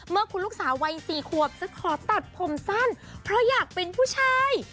เมื่อคุณลูกสาววัย๔ขวบจะขอตัดผมสั้นเพราะอยากเป็นผู้ชาย